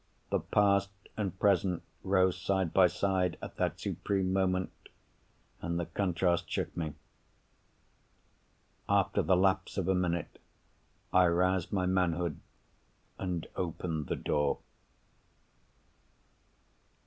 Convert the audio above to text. The past and present rose side by side, at that supreme moment—and the contrast shook me. After the lapse of a minute, I roused my manhood, and opened the door.